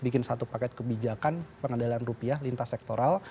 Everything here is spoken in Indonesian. bikin satu paket kebijakan pengendalian rupiah lintas sektoral